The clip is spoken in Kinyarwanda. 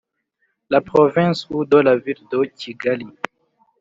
la Province ou de la Ville de Kigali